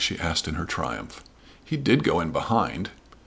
she asked in her triumph. "He did go in behind!"